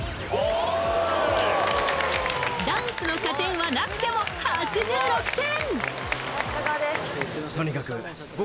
ダンスの加点はなくても８６点！